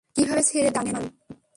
কিভাবে ছেড়ে দেই জানে মান?